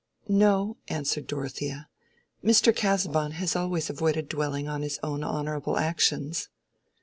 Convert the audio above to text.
"No," answered Dorothea; "Mr. Casaubon has always avoided dwelling on his own honorable actions."